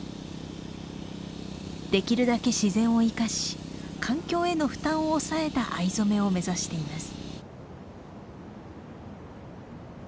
できるだけ自然を生かし環境への負担を抑えた藍染めを目指しています。